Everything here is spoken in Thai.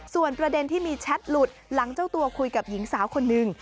ส่วนประเด็นที่มีแชทหลุดหลังเจ้าตัวคุยกับหญิงสาวคนนึง